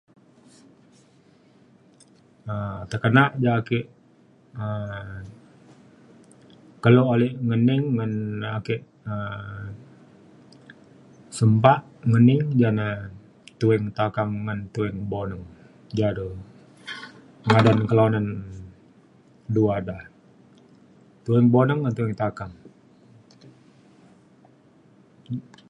um tekenak ja ake um kelo alek ngening ngan ake um semba ngening ja na Tuing Takang gan Tuing Boneng ja do ngadan kelonan dua da. Tuing Boneng gan Tuing Takang